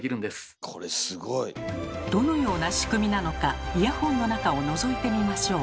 どのような仕組みなのかイヤホンの中をのぞいてみましょう。